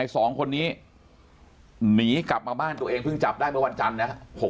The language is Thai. สองคนนี้หนีกลับมาบ้านตัวเองเพิ่งจับได้เมื่อวันจันทร์นะครับ